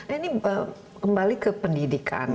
ini kembali ke pendidikan